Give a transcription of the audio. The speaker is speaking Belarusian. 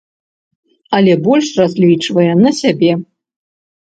Але больш разлічвае на сябе.